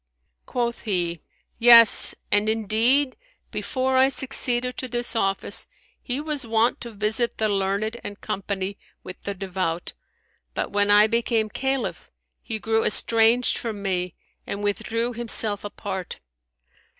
Quoth he, Yes, and indeed, before I succeeded to this office, he was wont to visit the learned and company with the devout; but, when I became Caliph, he grew estranged from me and withdrew himself apart.